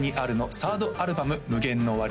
３ｒｄアルバム「無限の終わり」